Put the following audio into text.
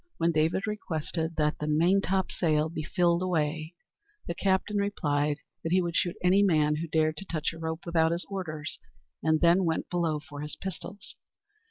When David requested that the "maintopsail be filled away," the captain replied that he would shoot any man who dared to touch a rope without his orders, and then went below for his pistols.